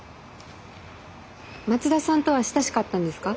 松田さんとは親しかったんですか？